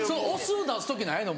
雄出す時ないの？